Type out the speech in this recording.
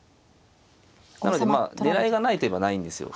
なので狙いがないといえばないんですよ。